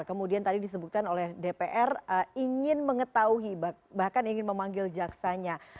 kemudian tadi disebutkan oleh dpr ingin mengetahui bahkan ingin memanggil jaksanya